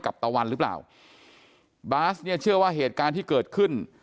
บาร์สเชื่อว่าเหตุการณ์ที่เกิดขึ้น